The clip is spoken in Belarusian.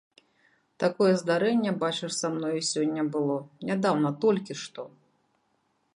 Такое здарэнне, бачыш, са мною сёння было, нядаўна, толькі што.